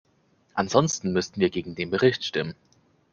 Ansonsten müssten wir gegen den Bericht stimmen.